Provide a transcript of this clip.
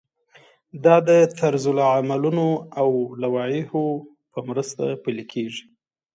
دا د طرزالعملونو او لوایحو په مرسته پلی کیږي.